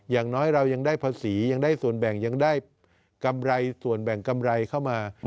อย่างน้อยเรายังได้ภาษียังได้ส่วนแบ่งยังได้กำไรส่วนแบ่งกำไรเข้ามา